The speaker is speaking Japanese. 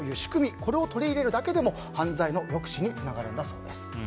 これを取り入れるだけでも犯罪の抑止につながるんだそうです。